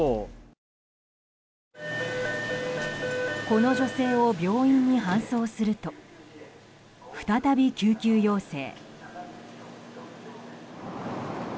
この女性を病院に搬送すると再び救急要請。